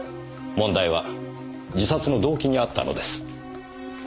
問題は自殺の動機にあったのです。